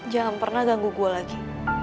jangan pernah ganggu gue lagi